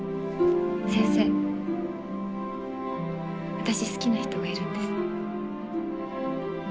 私好きな人がいるんです。